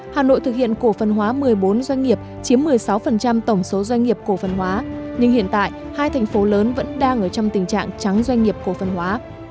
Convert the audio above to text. hà nội thực hiện cổ phần hóa một mươi bốn doanh nghiệp chiếm một mươi sáu tổng số doanh nghiệp cổ phần hóa